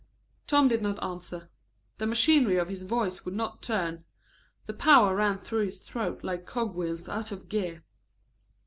Tom did not answer. The machinery of his voice would not turn. The power ran through his throat like cogwheels out of gear.